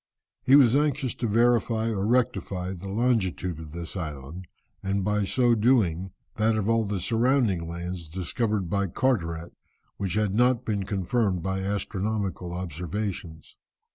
He was anxious to verify or rectify the longitude of this island, and by so doing, that of all the surrounding lands discovered by Carteret, which had not been confirmed by astronomical observations.